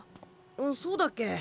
そうだっけ？